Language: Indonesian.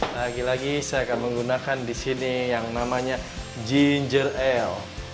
lagi lagi saya akan menggunakan di sini yang namanya ginger ele